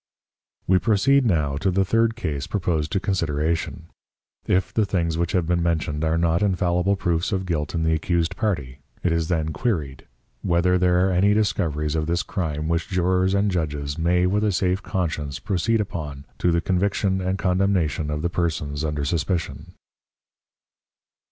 We proceed now to the third Case proposed to Consideration; If the things which have been mentioned are not infallible Proofs of Guilt in the accused Party, it is then Queried, _Whether there are any Discoveries of this Crime, which Jurors and Judges may with a safe Conscience proceed upon to the Conviction and Condemnation of the Persons under Suspicion?